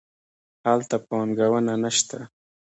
هلته پانګونه نه شته.